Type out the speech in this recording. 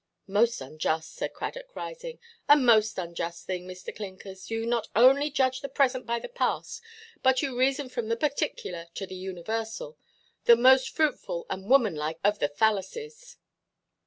"Most unjust," said Cradock, rising, "a most unjust thing, Mr. Clinkers; you not only judge the present by the past, but you reason from the particular to the universal—the most fruitful and womanlike of the fallacies."